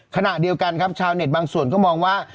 ขณะเดียวกันครับชาวเน็ตบางส่วนก็มองว่า